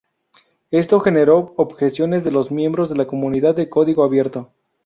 Esto generó objeciones de los miembros de la comunidad de código abierto.